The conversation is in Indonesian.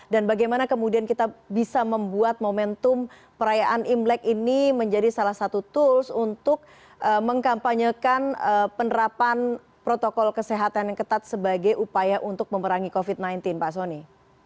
dan bagaimana kemudian kita bisa membuat momentum perayaan imlek ini menjadi salah satu tools untuk mengkampanyekan penerapan protokol kesehatan yang ketat sebagai upaya untuk memerangi covid sembilan belas pak soni